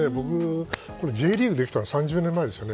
Ｊリーグができたの３０年前ですよね。